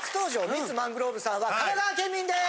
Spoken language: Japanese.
ミッツ・マングローブさんは神奈川県民です！